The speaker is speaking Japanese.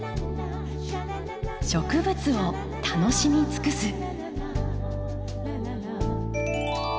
植物を楽しみつくす。